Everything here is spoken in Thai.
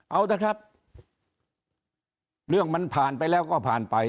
เอาเถอะครับเรื่องมันผ่านไปแล้วก็ผ่านไป